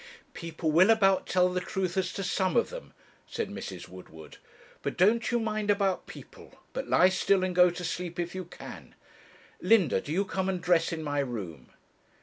'People will about tell the truth as to some of them,' said Mrs. Woodward; 'but don't you mind about people, but lie still and go to sleep if you can. Linda, do you come and dress in my room.'